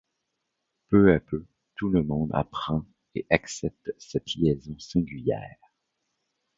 Peu à peu, tout le monde apprend et accepte cette liaison singulière.